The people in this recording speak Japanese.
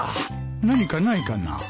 何かないかな？